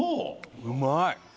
うまい！